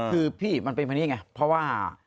คือพี่มันเป็นอันนี้ไงเพราะว่า